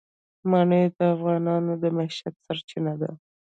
منی د افغانانو د معیشت سرچینه ده.